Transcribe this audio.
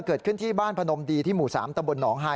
เกิดขึ้นที่บ้านพนมดีที่หมู่๓ตำบลหนองฮาย